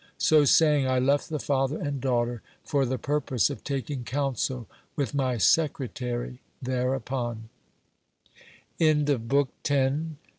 So saying, I left the father and daughter, for the purpose of taking counsel with my secretary thereupon.